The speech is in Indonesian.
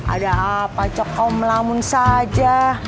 ada apa kau melamun saja